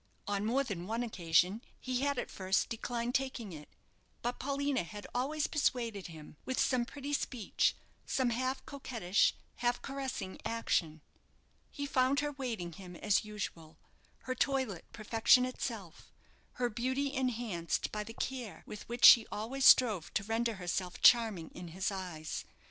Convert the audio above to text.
On more than one occasion he had at first declined taking it; but Paulina had always persuaded him, with some pretty speech, some half coquettish, half caressing action. He found her waiting him as usual: her toilet perfection itself; her beauty enhanced by the care with which she always strove to render herself charming in his eyes.